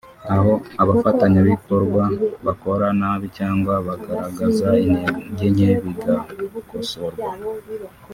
aho abafatanyabikorwa bakora nabi cyangwa bagaragaza intege nke bigakosorwa